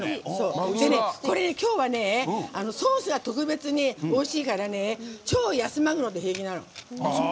今日はソースが特別においしいから超安まぐろで平気なの。